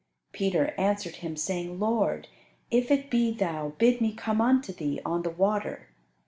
Peter answered Him, saying, "Lord, if it be Thou, bid me come unto Thee on the water."